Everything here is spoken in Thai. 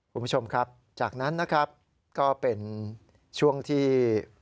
คุณผู้ชมครับจากนั้นนะครับก็เป็นช่วงที่